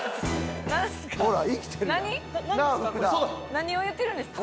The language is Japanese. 何を言ってるんですか？